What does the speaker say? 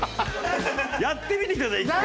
やってみてください１回。